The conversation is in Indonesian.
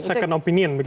second opinion begitu ya